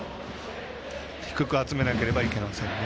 低く集めなければいけませんね